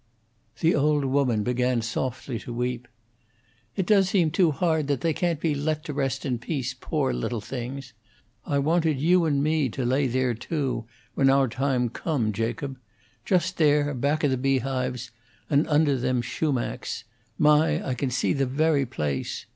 The old woman began softly to weep. "It does seem too hard that they can't be let to rest in peace, pore little things. I wanted you and me to lay there, too, when our time come, Jacob. Just there, back o' the beehives and under them shoomakes my, I can see the very place!